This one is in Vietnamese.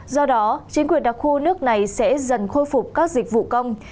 do đó chính quyền đặc khu nước này sẽ dần khôi phục các dịch vụ công